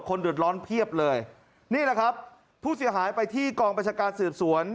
เดือดร้อนเพียบเลยนี่แหละครับผู้เสียหายไปที่กองประชาการสืบสวน